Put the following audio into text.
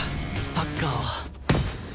サッカーは